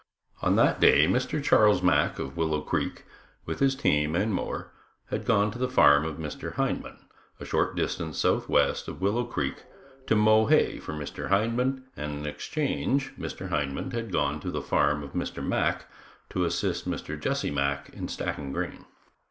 On that day Mr. Charles Mack of Willow Creek, with his team and mower had gone to the farm of Mr. Hindman, a short distance southwest of Willow Creek to mow hay for Mr. Hindman, and in exchange Mr. Hindman had gone to the farm of Mr. Mack to assist Mr. Jesse Mack in stacking grain.